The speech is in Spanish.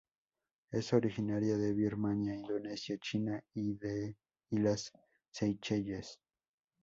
Es originaria de Birmania, Indonesia, China y las Seychelles.